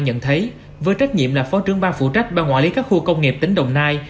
nhận thấy với trách nhiệm là phó trưởng bang quản lý các khu công nghiệp tỉnh đồng nai